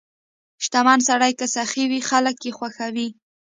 • شتمن سړی که سخي وي، خلک یې خوښوي.